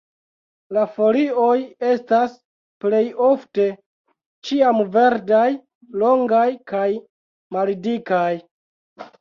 La folioj estas plejofte ĉiamverdaj, longaj kaj maldikaj.